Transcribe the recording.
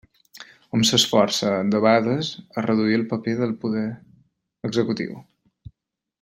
Hom s'esforça debades a reduir el paper del poder executiu.